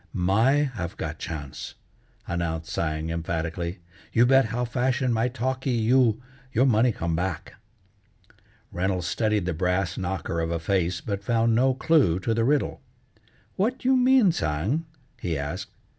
"My have got chance," announced Tsang emphatically, "you bet how fashion my talkee you, your money come back." Reynolds studied the brass knocker of a face, but found no clue to the riddle. "What you mean, Tsang?" he asked.